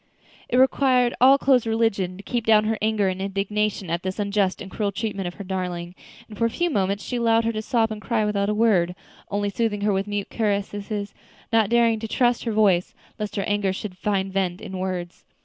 It required all Chloe's religion to keep down her anger and indignation at this unjust and cruel treatment of her darling, and for a few moments she allowed her to sob and cry without a word, only soothing her with mute caresses, not daring to trust her voice, lest her anger should find vent in words.